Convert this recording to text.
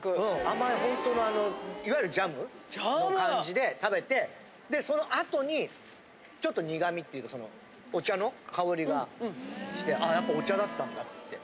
甘いほんとのいわゆるジャムの感じで食べてでその後にちょっと苦味っていうかそのお茶の香りがしてあやっぱお茶だったんだって。